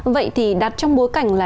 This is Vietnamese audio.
vậy thì đặt trong bối cảnh là